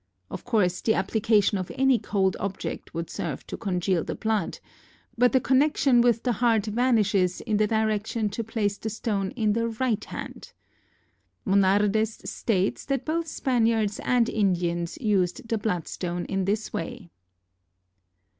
Of course the application of any cold object would serve to congeal the blood, but the connection with the heart vanishes in the direction to place the stone in the right hand. Monardes states that both Spaniards and Indians used the bloodstone in this way.